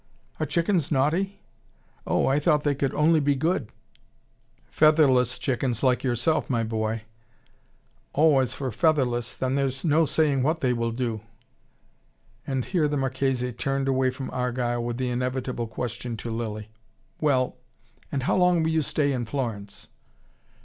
"Are chickens naughty? Oh! I thought they could only be good!" "Featherless chickens like yourself, my boy." "Oh, as for featherless then there is no saying what they will do. " And here the Marchese turned away from Argyle with the inevitable question to Lilly: "Well, and how long will you stay in Florence?"